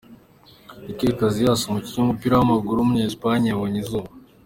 Iker Casillas, umukinnyi w’umupira w’amaguru w’umunya-Espagne yabonye izuba.